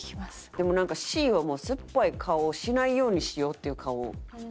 でもなんかＣはもう酸っぱい顔をしないようにしようっていう顔をするよな。